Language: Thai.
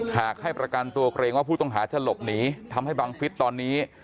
หากให้ประกันตัวเกรงว่าผู้ต้องหาจะหลบหนีทำให้บังฟิศตอนนี้